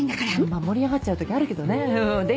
まぁ盛り上がっちゃう時あるけどねでいつから？